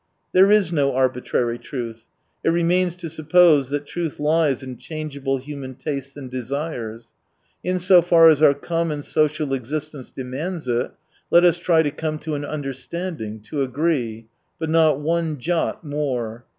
There is no arbitrary truth : it remains to suppose that truth lies in changeable human tastes and desires. In so far as our common social existence demands it — let us try to come to an understanding, to agree : but not one jot more.